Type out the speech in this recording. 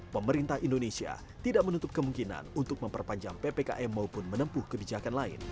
pemerintah indonesia tidak menutup kemungkinan untuk memperpanjang ppkm maupun menempuh kebijakan lain